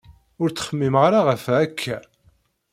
Ur ttxemmimeɣ ara ɣef-a akka.